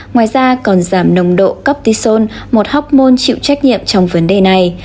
ngoài ra còn giảm nồng độ cptison một học môn chịu trách nhiệm trong vấn đề này